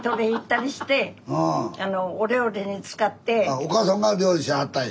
おかあさんが料理しはったんや。